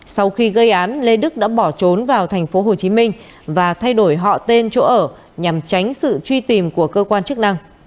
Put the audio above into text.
sau khi gây án lê đức đã bỏ trốn vào tp hcm và thay đổi họ tên chỗ ở nhằm tránh sự truy tìm của cơ quan chức năng